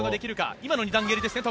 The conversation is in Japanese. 今の２段蹴りですね。